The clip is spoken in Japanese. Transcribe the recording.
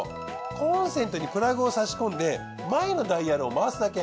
コンセントにプラグを差し込んで前のダイヤルを回すだけ。